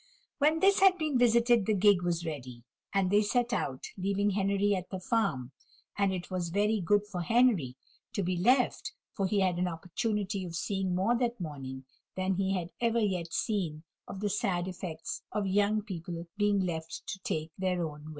When this had been visited the gig was ready, and they set out, leaving Henry at the farm; and it was very good for Henry to be left, for he had an opportunity of seeing more that morning than he had ever yet seen of the sad effects of young people being left to take their own way.